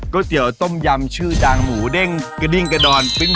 เตี๋ยวต้มยำชื่อดังหมูเด้งกระดิ้งกระดอน